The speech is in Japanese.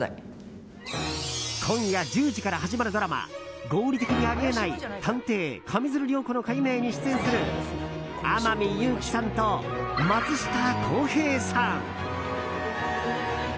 今夜１０時から始まるドラマ「合理的にあり得ない探偵・上水流涼子の解明」に出演する天海祐希さんと松下洸平さん！